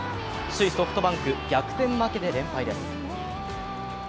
首位・ソフトバンク逆転負けで連敗です。